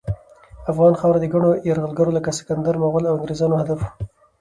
افغان خاوره د ګڼو یرغلګرو لکه سکندر، مغل، او انګریزانو هدف وه.